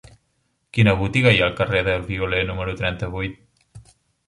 Quina botiga hi ha al carrer del Violer número trenta-vuit?